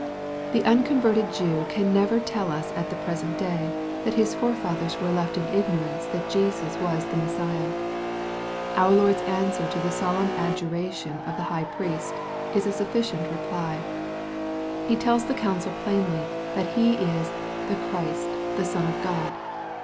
The unconverted Jew can never tell us ^ the present day, that his forefathers were left in ignorance that Jesus was the Messiah. Our Lord's answer to the solemn ad juration of the high priest is a suflScient reply. He tells the council plainly that He is " the Christ, the Son of God."